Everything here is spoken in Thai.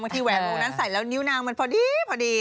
บางทีแหวนโมงนั้นใส่แล้วนิ้วนางเหมือนพอดีพอดี